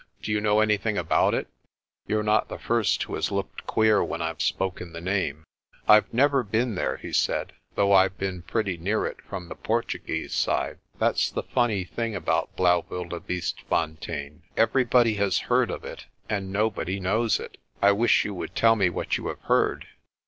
Do you know anything about it? You're not the first who has looked queer when Pve spoken the name." "Pve never been there," he said, "though Pve been pretty near it from the Portuguese side. That's the funny thing about Blaauwildebeestefontein. Everybody has heard of it, and nobody knows it." "I wish you would tell me what you have heard."